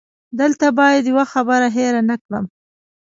دلته باید یوه خبره هېره نه کړم.